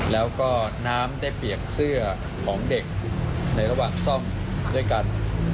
แล้วก็น้ำได้เปียกเสื้อของเด็กในระหว่างซ่อมด้วยกัน